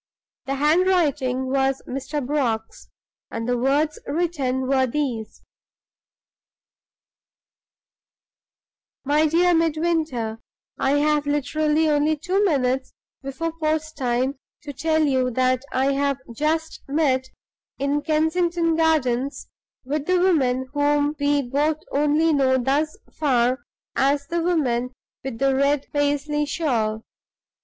The handwriting was Mr. Brock's, and the words written were these: "MY DEAR MIDWINTER I have literally only two minutes before post time to tell you that I have just met (in Kensington Gardens) with the woman whom we both only know, thus far, as the woman with the red Paisley shawl.